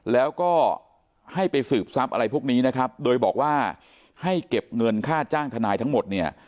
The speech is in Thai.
แล้วก็ให้ไปสืบทรัพย์อะไรพวกนี้นะครับโดยบอกว่าให้เก็บเงินค่าจ้างทนายทั้งหมดเนี่ย